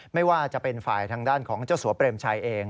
ไม่ว่าจะเป็นฝ่ายทางด้านของเจ้าสัวเปรมชัยเอง